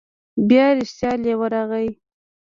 بیا رښتیا لیوه راغی.